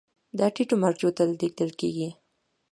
دا ټیټو مرجعو ته لیږل کیږي.